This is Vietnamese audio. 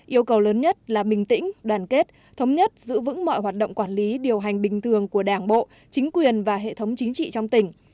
yêu cầu lớn nhất là bình tĩnh đoàn kết thống nhất giữ vững mọi hoạt động quản lý điều hành bình thường của đảng bộ chính quyền và hệ thống chính trị trong tỉnh